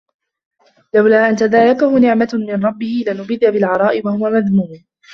لَولا أَن تَدارَكَهُ نِعمَةٌ مِن رَبِّهِ لَنُبِذَ بِالعَراءِ وَهُوَ مَذمومٌ